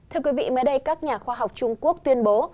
thưa quý vị mới đây các nhà khoa học trung quốc tuyên bố